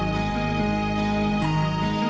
ขอให้หมดอย่างน้อย